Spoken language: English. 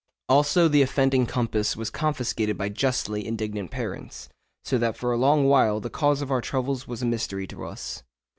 Also the offending compass was confiscated by justly indignant parents, so that for a long while the cause of our troubles was a mystery to us.